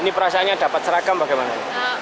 ini perasaannya dapat seragam bagaimana